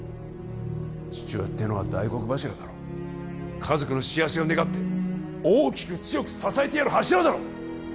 父親っていうのは大黒柱だろ家族の幸せを願って大きく強く支えてやる柱だろ！